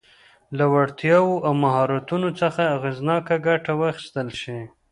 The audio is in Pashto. له وړتیاوو او مهارتونو څخه اغېزناکه ګټه واخیستل شي.